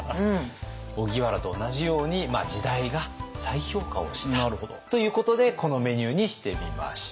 荻原と同じように時代が再評価をしたということでこのメニューにしてみました。